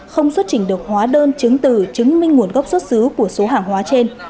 không xuất trình được hóa đơn chứng từ chứng minh nguồn gốc xuất xứ của số hàng hóa trên